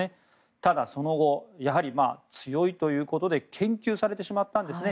ただ、その後やはり強いということで研究されてしまったんですね。